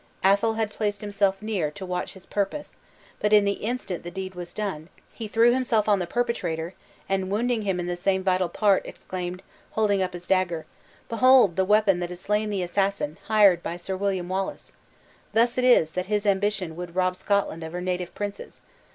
Athol had placed himself near, to watch his purpose; but in the instant the deed was done, he threw himself on the perpetrator, and wounding him in the same vital part, exclaimed, holding up his dagger, "Behold the weapon that has slain the assassin, hired by Sir William Wallace! Thus it is, that his ambition would rob Scotland of her native princes.